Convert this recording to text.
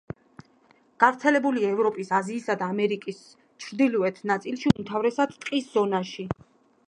გავრცელებულია ევროპის, აზიისა და ამერიკის ჩრდილოეთ ნაწილში, უმთავრესად ტყის ზონაში.